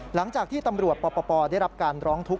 หลังจากที่ตำรวจปปได้รับการร้องทุกข